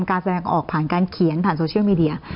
การแสดงออกผ่านการเขียนผ่านโซเชียลมีเดีย